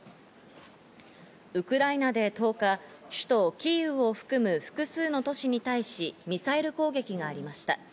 ウクライナで１０日、首都キーウを含む複数の都市に対しミサイル攻撃がありました。